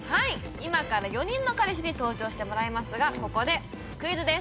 今から４人の彼氏に登場してもらいますがここでクイズです